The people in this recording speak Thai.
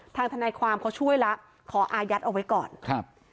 ทนายความเขาช่วยแล้วขออายัดเอาไว้ก่อนครับ